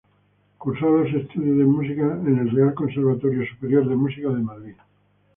Cursó los estudios de música en el Real Conservatorio Superior de Música de Madrid.